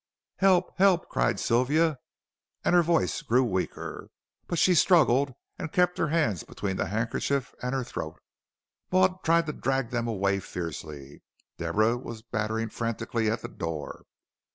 "Help help!" cried Sylvia, and her voice grew weaker. But she struggled and kept her hands between the handkerchief and her throat. Maud tried to drag them away fiercely. Deborah was battering frantically at the door.